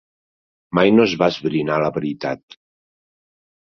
Mai no es va esbrinar la veritat.